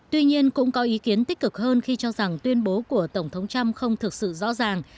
tuy nhiên cũng có ý kiến tích cực hơn khi cho rằng tuyên bố của tổng thống trump không thực sự rõ ràng